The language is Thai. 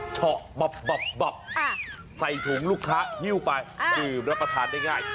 เฉาะบับใส่ถุงลูกค้าหิ้วไปดื่มรับประทานได้ง่าย